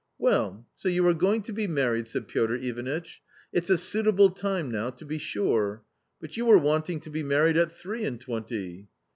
"Well, so you are going to be married?" said Piotr Ivanitch : (t it's a suitable time now, to be sure ! But you were wanting to be married at three and twenty."